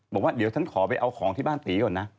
บอกว่าเดี๋ยวฉันขอไปเอาของที่บ้านตีก่อนนะ